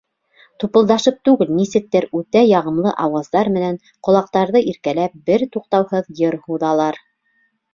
Тупылдашып түгел, нисектер, үтә яғымлы ауаздар менән ҡолаҡтарҙы иркәләп, бер туҡтауһыҙ йыр һуҙалар.